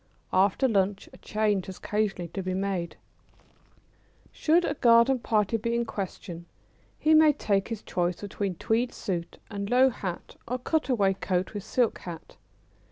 After lunch a change has occasionally to be made. [Sidenote: At a garden party.] Should a garden party be in question, he may take his choice between tweed suit and low hat or cutaway coat with silk hat.